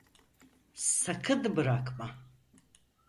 Sakın bırakma!